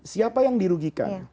siapa yang dirugikan